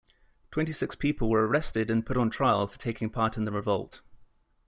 Twenty-six people were arrested and put on trial for taking part in the revolt.